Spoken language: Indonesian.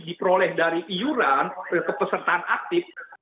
diperoleh dari iuran kepesertaan aktif